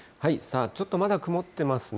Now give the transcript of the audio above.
ちょっとまだ曇ってますね。